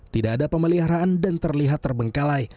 tidak ada pemeliharaan dan terlihat terbengkalai